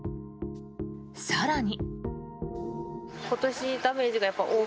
更に。